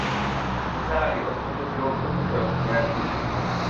নিসার আলি অত্যন্ত বিরক্ত মুখে ড্রয়ার খুললেন।